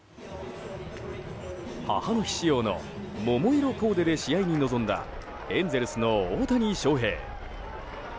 母の日仕様の桃色コーデで試合に臨んだエンゼルスの大谷翔平。